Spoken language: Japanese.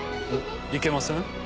いけません？